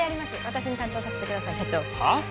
私に担当させてください社長はっ！？